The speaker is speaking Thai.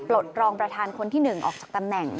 ปลดรองประธานคนที่หนึ่งออกจากตำแหน่ง